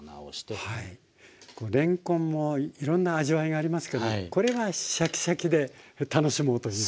こうれんこんもいろんな味わいがありますけどこれはシャキシャキで楽しもうという。